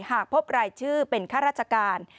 หากพบรายชื่อเป็นข้าราชการ